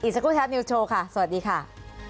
สวัสดีครับ